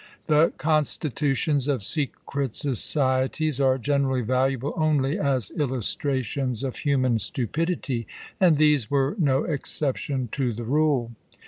The constitutions of secret societies are generally valuable only as illustrations of human stupidity, and these were no exception to the rule.